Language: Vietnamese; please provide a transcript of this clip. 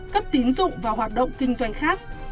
cấp tín dụng và hoạt động kinh doanh khác